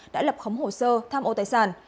đã lập khống hồ sơ tham ô tài sản